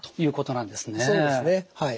そうですねはい。